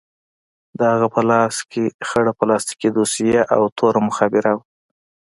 د هغه په لاس کښې خړه پلاستيکي دوسيه او توره مخابره وه.